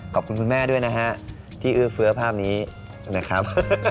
ขอบคุณคุณแม่ด้วยนะฮะที่เอื้อเฟื้อภาพนี้นะครับ